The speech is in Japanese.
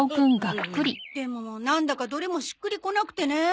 でもなんだかどれもしっくりこなくてね。